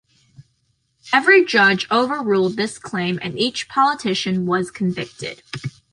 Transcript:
Every judge overruled this claim and each politician was convicted.